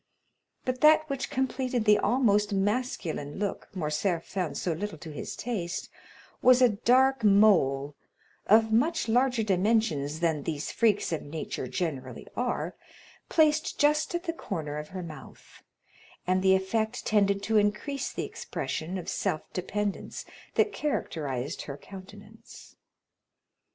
But that which completed the almost masculine look Morcerf found so little to his taste, was a dark mole, of much larger dimensions than these freaks of nature generally are, placed just at the corner of her mouth; and the effect tended to increase the expression of self dependence that characterized her countenance.